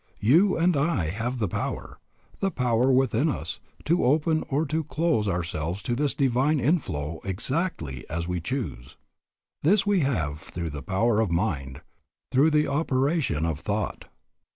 You and I have the power, the power within us, to open or to close ourselves to this divine inflow exactly as we choose. This we have through the power of mind, through the operation of thought.